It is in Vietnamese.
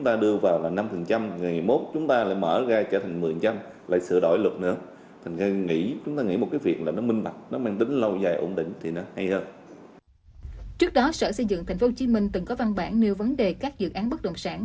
trước đó sở xây dựng tp hcm từng có văn bản nêu vấn đề các dự án bất động sản